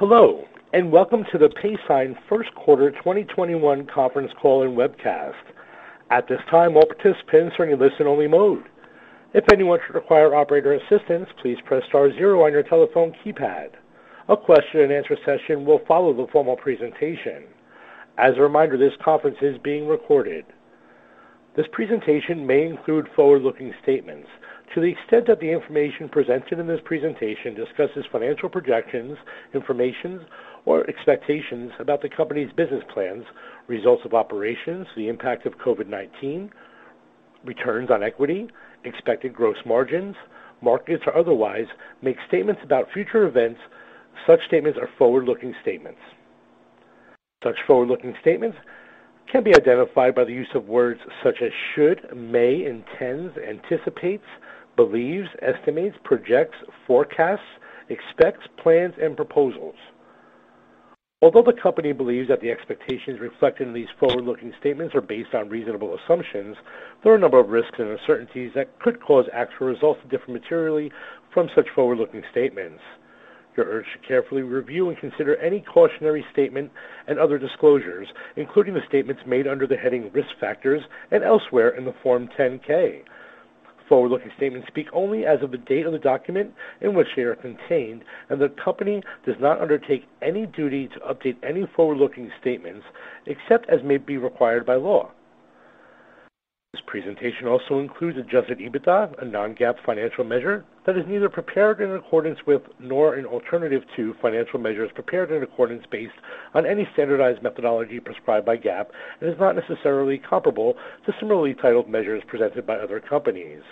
Hello, and welcome to the Paysign's first quarter 2021 conference call and webcast. At this time, all participants are in a listen-only mode. If anyone require operator assistance, please press star zero on your telephone keypad. A question-and-answer session will follow the formal presentation. As a reminder, this conference is being recorded. This presentation may include forward-looking statements. To the extent that the information presented in this presentation discusses financial projections, information, or expectations about the company's business plans, results of operations, the impact of COVID-19, returns on equity, expected gross margins, markets, or otherwise makes statements about future events, such statements are forward-looking statements. Such forward-looking statements can be identified by the use of words such as should, may, intends, anticipates, believes, estimates, projects, forecasts, expects, plans, and proposals. Although the company believes that the expectations reflected in these forward-looking statements are based on reasonable assumptions, there are a number of risks and uncertainties that could cause actual results to differ materially from such forward-looking statements. You are urged to carefully review and consider any cautionary statement and other disclosures, including the statements made under the heading Risk Factors and elsewhere in the Form 10-K. Forward-looking statements speak only as of the date of the document in which they are contained, and the company does not undertake any duty to update any forward-looking statements, except as may be required by law. This presentation also includes adjusted EBITDA, a non-GAAP financial measure that is neither prepared in accordance with nor an alternative to financial measures prepared in accordance based on any standardized methodology prescribed by GAAP and is not necessarily comparable to similarly titled measures presented by other companies.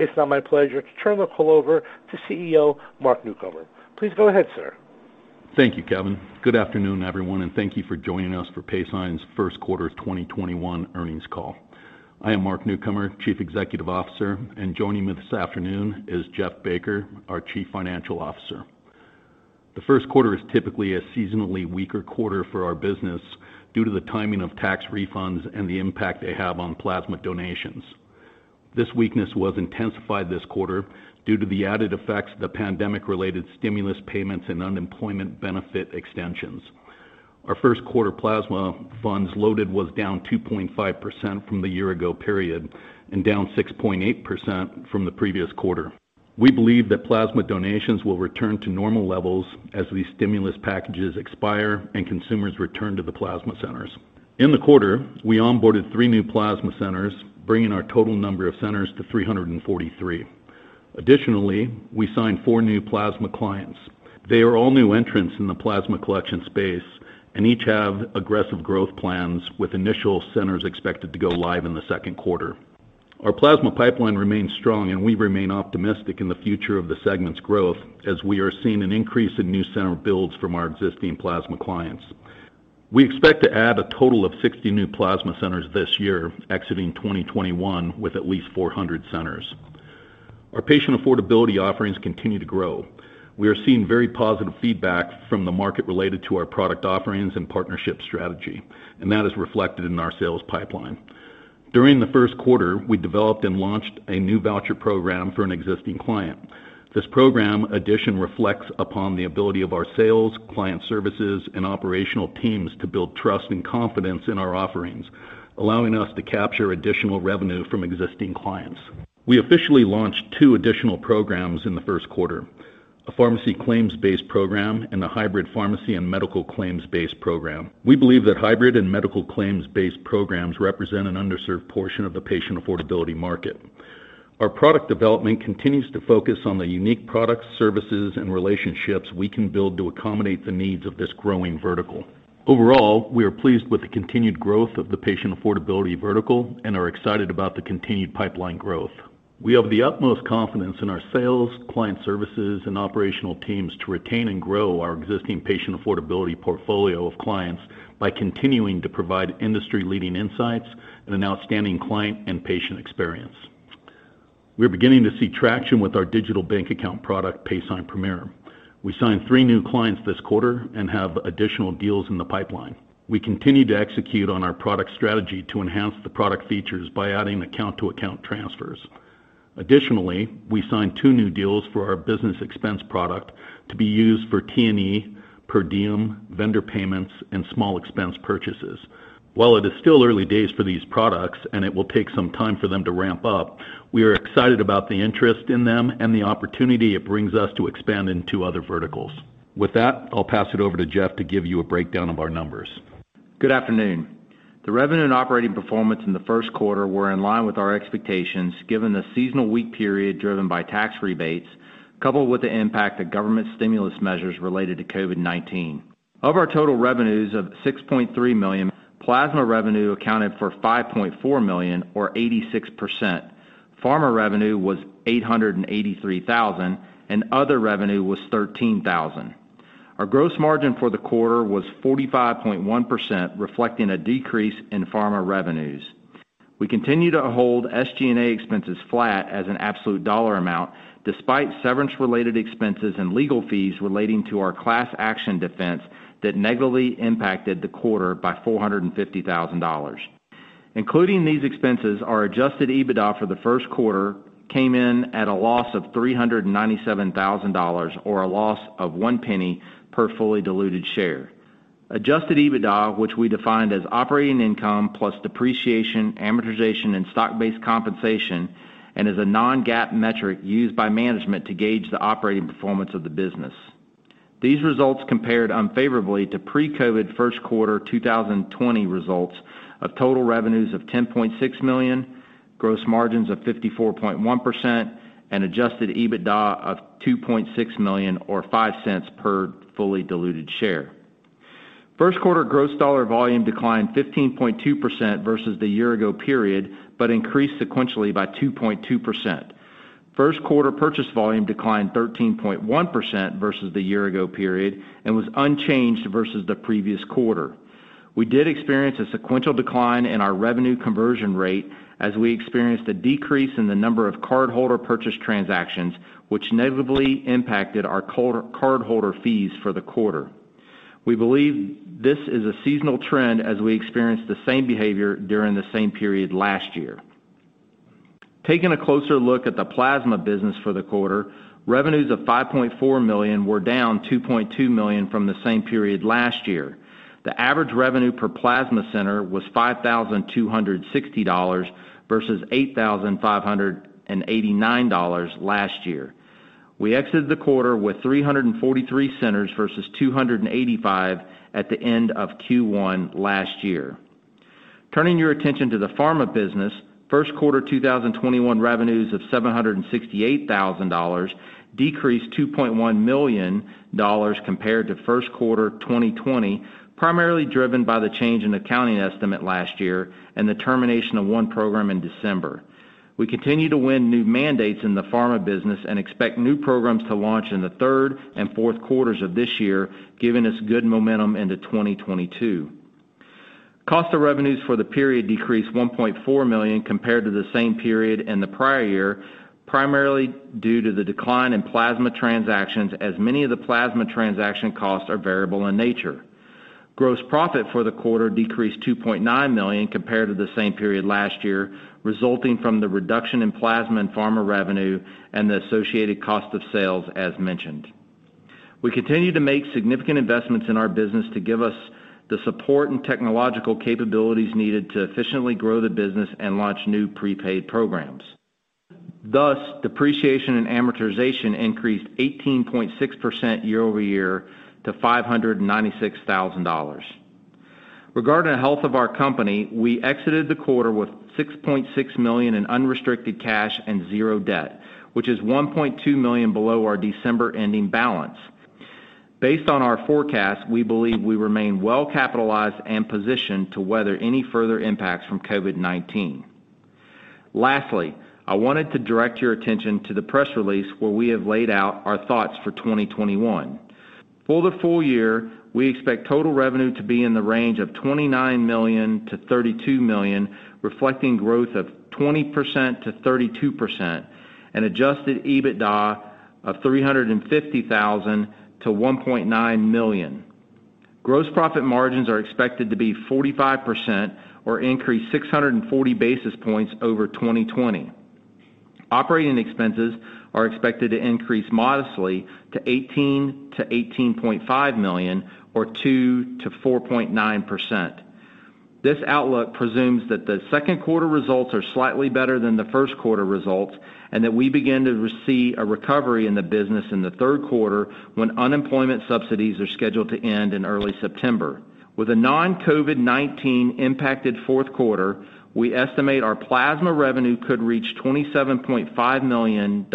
It's now my pleasure to turn the call over to CEO Mark Newcomer. Please go ahead, sir. Thank you, Kevin. Good afternoon, everyone, and thank you for joining us for Paysign's first quarter 2021 earnings call. I am Mark Newcomer, Chief Executive Officer, and joining me this afternoon is Jeff Baker, our Chief Financial Officer. The first quarter is typically a seasonally weaker quarter for our business due to the timing of tax refunds and the impact they have on plasma donations. This weakness was intensified this quarter due to the added effects of the pandemic-related stimulus payments and unemployment benefit extensions. Our first quarter plasma funds loaded was down 2.5% from the year ago period and down 6.8% from the previous quarter. We believe that plasma donations will return to normal levels as these stimulus packages expire and consumers return to the plasma centers. In the quarter, we onboarded three new plasma centers, bringing our total number of centers to 343. Additionally, we signed four new plasma clients. They are all new entrants in the plasma collection space and each have aggressive growth plans with initial centers expected to go live in the second quarter. Our plasma pipeline remains strong, and we remain optimistic in the future of the segment's growth as we are seeing an increase in new center builds from our existing plasma clients. We expect to add a total of 60 new plasma centers this year, exiting 2021 with at least 400 centers. Our patient affordability offerings continue to grow. We are seeing very positive feedback from the market related to our product offerings and partnership strategy, and that is reflected in our sales pipeline. During the first quarter, we developed and launched a new voucher program for an existing client. This program addition reflects upon the ability of our sales, client services, and operational teams to build trust and confidence in our offerings, allowing us to capture additional revenue from existing clients. We officially launched two additional programs in the first quarter, a pharmacy claims-based program and a hybrid pharmacy and medical claims-based program. We believe that hybrid and medical claims-based programs represent an underserved portion of the patient affordability market. Our product development continues to focus on the unique products, services, and relationships we can build to accommodate the needs of this growing vertical. Overall, we are pleased with the continued growth of the patient affordability vertical and are excited about the continued pipeline growth. We have the utmost confidence in our sales, client services, and operational teams to retain and grow our existing patient affordability portfolio of clients by continuing to provide industry-leading insights and an outstanding client and patient experience. We are beginning to see traction with our digital bank account product, Paysign Premier. We signed three new clients this quarter and have additional deals in the pipeline. We continue to execute on our product strategy to enhance the product features by adding account-to-account transfers. Additionally, we signed two new deals for our business expense product to be used for T&E, per diem, vendor payments, and small expense purchases. While it is still early days for these products and it will take some time for them to ramp up, we are excited about the interest in them and the opportunity it brings us to expand into other verticals. With that, I'll pass it over to Jeff to give you a breakdown of our numbers. Good afternoon. The revenue and operating performance in the first quarter were in line with our expectations given the seasonal weak period driven by tax rebates coupled with the impact of government stimulus measures related to COVID-19. Of our total revenues of $6.3 million, plasma revenue accounted for $5.4 million or 86%. Pharma revenue was $883,000 and other revenue was $13,000. Our gross margin for the quarter was 45.1%, reflecting a decrease in pharma revenues. We continue to hold SG&A expenses flat as an absolute dollar amount despite severance-related expenses and legal fees relating to our class action defense that negatively impacted the quarter by $450,000. Including these expenses, our adjusted EBITDA for the first quarter came in at a loss of $397,000, or a loss of $0.01 per fully diluted share. Adjusted EBITDA, which we defined as operating income plus depreciation, amortization, and stock-based compensation, and is a non-GAAP metric used by management to gauge the operating performance of the business. These results compared unfavorably to pre-COVID first quarter 2020 results of total revenues of $10.6 million, gross margins of 54.1%, and adjusted EBITDA of $2.6 million, or $0.05 per fully diluted share. First quarter gross dollar volume declined 15.2% versus the year ago period, but increased sequentially by 2.2%. First quarter purchase volume declined 13.1% versus the year ago period and was unchanged versus the previous quarter. We did experience a sequential decline in our revenue conversion rate as we experienced a decrease in the number of cardholder purchase transactions, which negatively impacted our cardholder fees for the quarter. We believe this is a seasonal trend as we experienced the same behavior during the same period last year. Taking a closer look at the plasma business for the quarter, revenues of $5.4 million were down $2.2 million from the same period last year. The average revenue per plasma center was $5,260 versus $8,589 last year. We exited the quarter with 343 centers versus 285 at the end of Q1 last year. Turning your attention to the pharma business, first quarter 2021 revenues of $768,000 decreased $2.1 million compared to first quarter 2020, primarily driven by the change in accounting estimate last year and the termination of one program in December. We continue to win new mandates in the pharma business and expect new programs to launch in the third and fourth quarters of this year, giving us good momentum into 2022. Cost of revenues for the period decreased $1.4 million compared to the same period in the prior year, primarily due to the decline in plasma transactions, as many of the plasma transaction costs are variable in nature. Gross profit for the quarter decreased $2.9 million compared to the same period last year, resulting from the reduction in plasma and pharma revenue and the associated cost of sales as mentioned. We continue to make significant investments in our business to give us the support and technological capabilities needed to efficiently grow the business and launch new prepaid programs. Depreciation and amortization increased 18.6% year-over-year to $596,000. Regarding the health of our company, we exited the quarter with $6.6 million in unrestricted cash and zero debt, which is $1.2 million below our December ending balance. Based on our forecast, we believe we remain well capitalized and positioned to weather any further impacts from COVID-19. I wanted to direct your attention to the press release where we have laid out our thoughts for 2021. For the full year, we expect total revenue to be in the range of $29 million-$32 million, reflecting growth of 20%-32%, and adjusted EBITDA of $350,000-$1.9 million. Gross profit margins are expected to be 45% or increase 640 basis points over 2020. Operating expenses are expected to increase modestly to $18 million-$18.5 million or 2%-4.9%. This outlook presumes that the second quarter results are slightly better than the first quarter results, and that we begin to see a recovery in the business in the third quarter, when unemployment subsidies are scheduled to end in early September. With a non-COVID-19 impacted fourth quarter, we estimate our plasma revenue could reach $27.5 million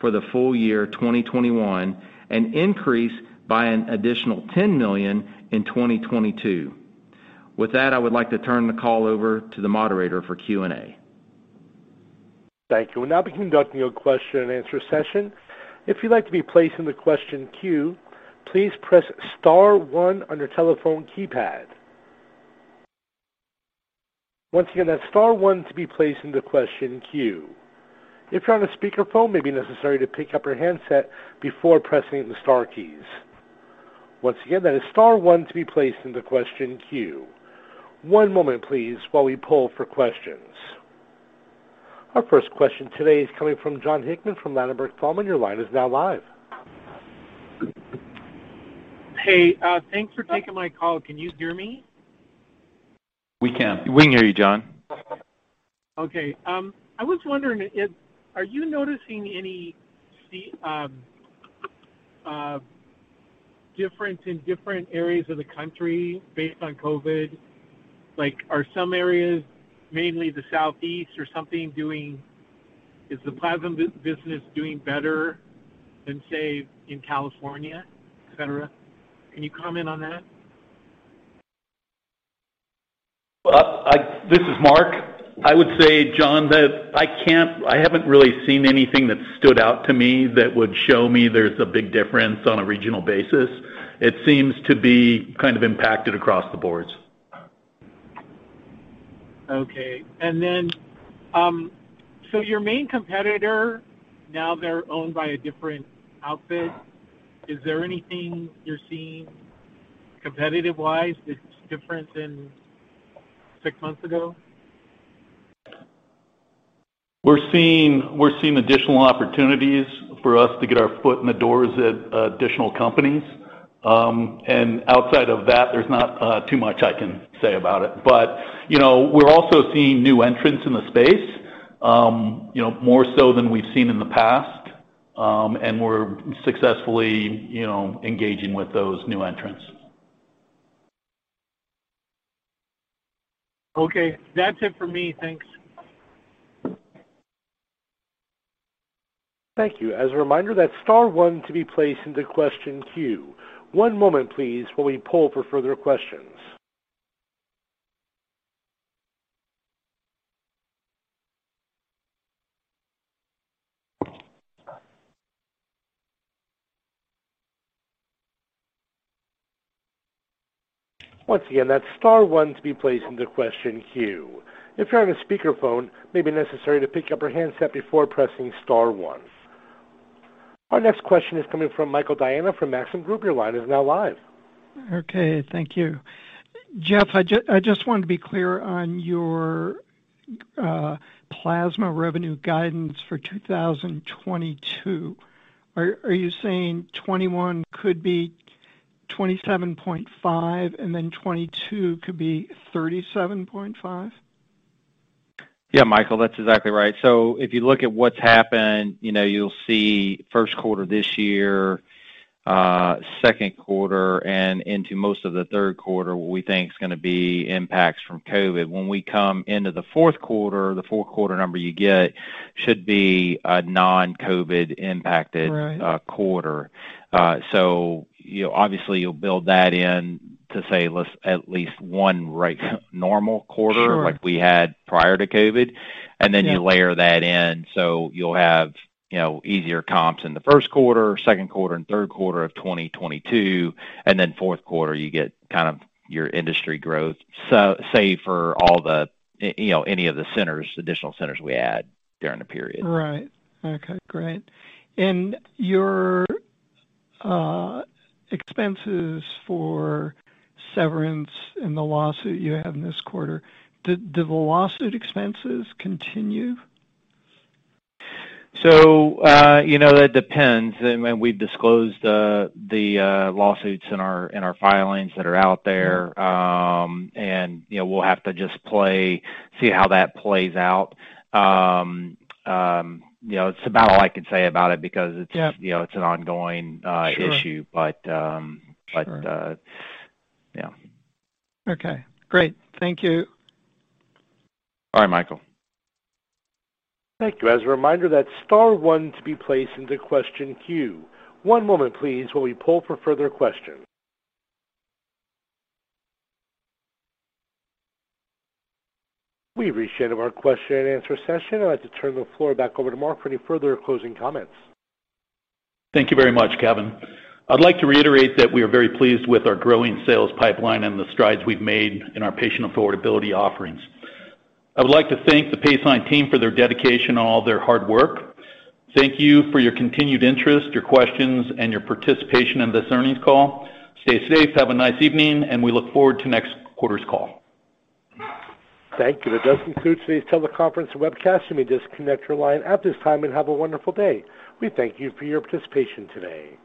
for the full year 2021, and increase by an additional $10 million in 2022. With that, I would like to turn the call over to the moderator for Q&A. Thank you. We'll now be conducting a question-and-answer session. If you'd like to be placed in the question queue, please press star one on your telephone keypad. Once again, that's star one to be placed in the question queue. If you're on a speakerphone, it may be necessary to pick up your handset before pressing the star keys. Once again, that is star one to be placed in the question queue. One moment, please, while we poll for questions. Our first question today is coming from Jon Hickman from Ladenburg Thalmann. Your line is now live. Hey, thanks for taking my call. Can you hear me? We can. We can hear you, Jon. Okay. I was wondering, are you noticing any difference in different areas of the country based on COVID? Are some areas, mainly the Southeast or something, is the plasma business doing better than, say, in California, et cetera? Can you comment on that? This is Mark. I would say, Jon, that I haven't really seen anything that stood out to me that would show me there's a big difference on a regional basis. It seems to be kind of impacted across the boards. Okay. Your main competitor, now they're owned by a different outfit. Is there anything you're seeing competitive-wise that's different than six months ago? We're seeing additional opportunities for us to get our foot in the doors at additional companies. Outside of that, there's not too much I can say about it. We're also seeing new entrants in the space, more so than we've seen in the past. We're successfully engaging with those new entrants. Okay. That's it for me. Thanks. As a reminder, that's star one to be placed in the question queue. One moment please while we poll for further questions. That's star one to be placed on the question queue. If you're on speaker phone, maybe necessary to pick up your handset before pressing star one. Our next question is coming from Michael Diana from Maxim Group. Your line is now live. Okay, thank you. Jeff, I just wanted to be clear on your plasma revenue guidance for 2022. Are you saying 2021 could be $27.5 million and then 2022 could be $37.5 million? Yeah, Michael, that's exactly right. If you look at what's happened, you'll see first quarter this year, second quarter, and into most of the third quarter, what we think is going to be impacts from COVID. We come into the fourth quarter, the fourth quarter number you get should be a non-COVID impacted- Right. Quarter. Obviously you'll build that in to say at least one right normal quarter. Sure. Like we had prior to COVID. Yeah. Then you layer that in, so you'll have easier comps in the first quarter, second quarter, and third quarter of 2022. Then fourth quarter, you get your industry growth, say for any of the additional centers we add during the period. Right. Okay, great. Your expenses for severance and the lawsuit you have in this quarter, do the lawsuit expenses continue? That depends. We've disclosed the lawsuits in our filings that are out there. We'll have to just see how that plays out. It's about all I can say about it. Yeah. It's an ongoing issue. Sure. But, yeah. Okay, great. Thank you. Bye, Michael. Thank you. As a reminder, that's star one to be placed into question queue. One moment, please, while we poll for further questions. We've reached the end of our question and answer session. I'd like to turn the floor back over to Mark for any further closing comments. Thank you very much, Kevin. I'd like to reiterate that we are very pleased with our growing sales pipeline and the strides we've made in our patient affordability offerings. I would like to thank the Paysign team for their dedication and all their hard work. Thank you for your continued interest, your questions, and your participation in this earnings call. Stay safe, have a nice evening, and we look forward to next quarter's call. Thank you. That does conclude today's teleconference and webcast. You may disconnect your line at this time, and have a wonderful day. We thank you for your participation today.